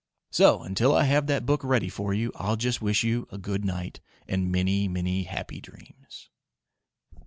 So, until I have that book ready for you, I'll just wish you a Good night and many, many happy dreams!